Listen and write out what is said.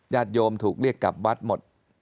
ญาติโยมถูกเรียกกลับวัดหมด